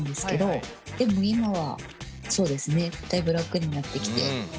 でも今はそうですねだいぶ楽になってきて。